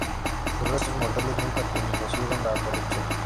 Sus restos mortales nunca conocieron la corrupción.